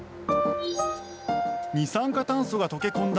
二酸化炭素が溶け込んだ